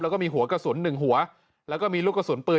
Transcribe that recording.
แล้วก็มีหัวกระสุนหนึ่งหัวแล้วก็มีลูกกระสุนปืน